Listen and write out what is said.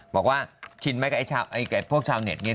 บอกว่าชินไหมกับไอ้พวกชาวเน็ตเนี่ย